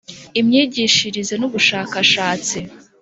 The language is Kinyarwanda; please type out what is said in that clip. imyigishirize n ubushakashatsi